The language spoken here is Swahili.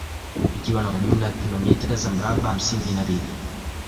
Ikiwa na jumla ya kilomota za mraba hamsini na mbili